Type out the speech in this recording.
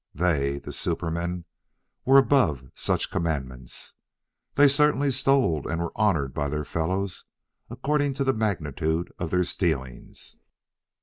They, the supermen, were above such commandments. They certainly stole and were honored by their fellows according to the magnitude of their stealings.